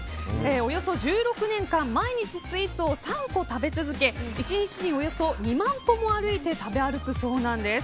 およそ１６年間、毎日スイーツを３個食べ続け１日におよそ２万歩も歩いて食べ歩くそうなんです。